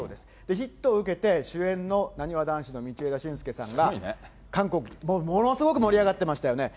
ヒットを受けて、主演のなにわ男子の道枝駿佑さんが、韓国、もうものすごく盛り上がってましたよね。